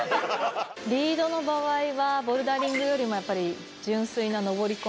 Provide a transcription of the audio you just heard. リードの場合はボルダリングよりもやっぱり。